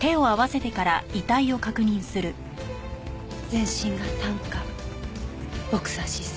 全身が炭化ボクサー姿勢。